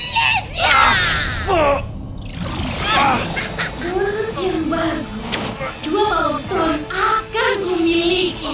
kepala yang baru dua bawah bunga yang akan kumiliki